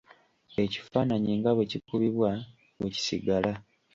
Ekifaananyi nga bwe kikubibwa, bwe kisigala.